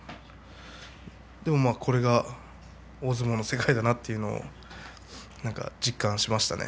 でも、まあこれが大相撲の世界だなというのを実感しましたね。